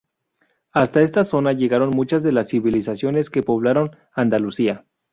Hasta esta zona llegaron muchas de las civilizaciones que poblaron Andalucía.